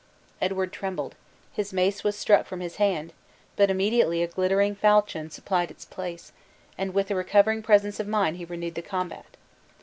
Edward trembled; his mace was struck from his hand; but immediately a glittering falchon supplied its place, and with recovering presence of mind he renewed the combat.